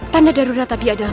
tanda darurat tadi adalah